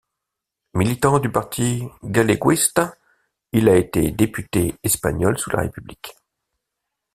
Militant du Parti Galeguista, il a été député espagnol sous la République.